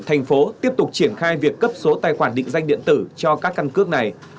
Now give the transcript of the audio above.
thành phố tiếp tục triển khai việc cấp số tài khoản định danh điện tử cho các căn cước này